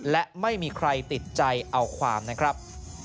และไม่มีใครติดใจเอาความนะครับ